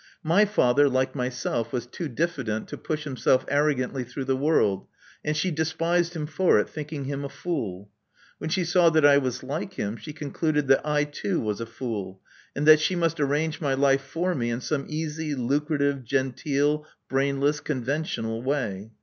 My father, like myself, was too difl&dent to push himself arrogantly through the world; and she despised him for it, thinking him a fool. When she saw that I was like him, she concluded that I, too, was a fool, and that she must arrange my life for me in some easy, lucrative, genteel, brainless, conventional way.